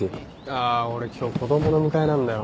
あ俺今日子供の迎えなんだよ。